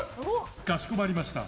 かしこまりました。